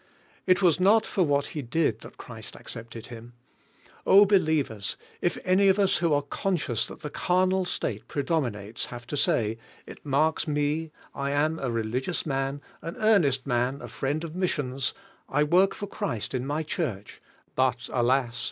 It was not for what he did that Christ accepted him. Oh, 22 CARNAL CHRISTIANS believers, if any of us who are conscious that the carnal state predominates have to say: "It marks me ; I am a religious man, an earnest man, a friend of missions; I work for Christ in my church, but, alas!